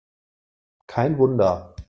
Kein Wunder!